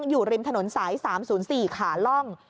อยู่ริมถนนสาย๓๐๔ขาล่อง